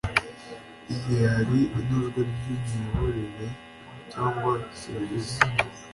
Igihe hari inozwa ry umuyoboro cyangwa serivisi